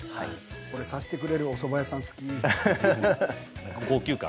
これをさせてくれるおそば屋さん好き。